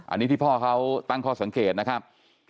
อันนี้ที่พ่อเขาตั้งข้อสังเกตนะครับ